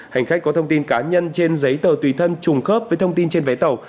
hành khách có thông tin cá nhân trên giấy tờ tùy thân trùng khớp với thông tin trên vé tàu